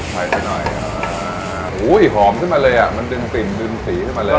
พลิกไตล์ซักน้อยอ๋อโห้ยหอมขึ้นมาเลยอะมันดึงปริ่มดึงสีขึ้นมาเลย